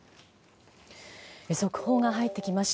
速報が入ってきました。